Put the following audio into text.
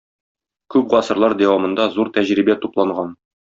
Күп гасырлар дәвамында зур тәҗрибә тупланган.